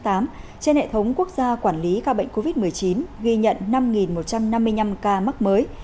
trên hệ thống quốc gia quản lý ca bệnh covid một mươi chín ghi nhận năm một trăm năm mươi năm ca mắc mới